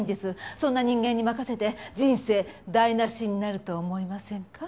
そんな人間に任せて人生台なしになると思いませんか？